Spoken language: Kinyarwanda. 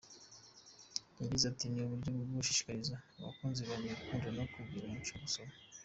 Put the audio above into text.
Yagize ati :“Ni uburyo bwo gushishikariza abakunzi banjye gukunda no kugira umuco wo gusoma.